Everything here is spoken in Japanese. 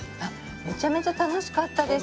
めちゃめちゃ楽しかったです